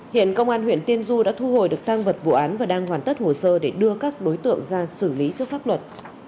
hiện công an huyện tiên du đã thu hồi được tăng vật vụ án và đang hoàn tất hồ sơ để đưa các đối tượng ra xử lý trước pháp luật